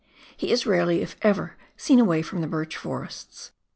He is rarely, if ever, seen awaj" from the birch forests.